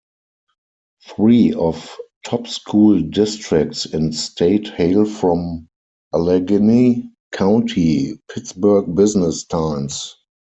Three of top school districts in state hail from Allegheny County, "Pittsburgh Business Times".